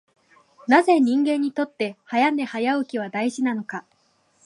なぜ人間にとって早寝早起きは大事なのか。